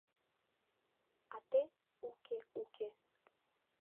А те— Уке, уке.